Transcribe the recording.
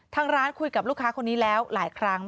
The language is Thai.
ทางร้านคุยกับลูกค้าคนนี้แล้วหลายครั้ง